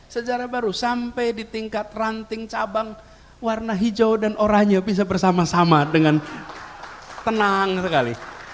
sejarah baru sampai di tingkat ranting cabang warna hijau dan oranye bisa bersama sama dengan tenang sekali